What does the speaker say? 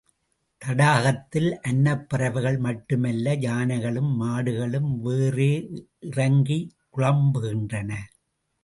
தடாகத்தில் அன்னப்பறவைகள் மட்டுமல்ல, யானைகளும் மாடுகளும் வேறே இறங்கிக் குழப்புகின்றன.